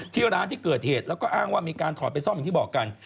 ที่ร้านที่เกิดเหตุแล้วก็อ้างว่ามีการถอดไปซ่อมอย่างที่บอกกัน